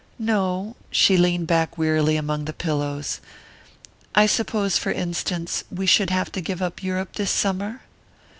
"No." She leaned back wearily among the pillows. "I suppose, for instance, we should have to give up Europe this summer